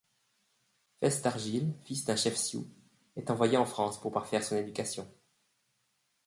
Fesses d'Argile, fils d'un chef sioux, est envoyé en France pour parfaire son éducation.